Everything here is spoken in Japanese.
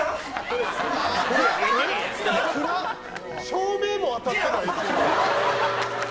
「照明も当たってない」「」